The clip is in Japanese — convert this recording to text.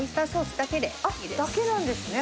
だけなんですね。